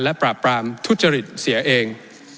และปราบปรามทุจริตเสียเอง